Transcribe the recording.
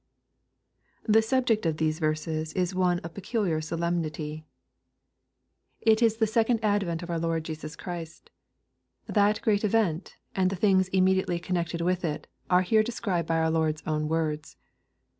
The subject of these verses is one of peculiar solemnity 244 EXPOSITORY THOUGHTS. It is the second advent of our Lord Jesus Christ. That great event, and the things immediately connected with it, are here described by our Lord's own lips.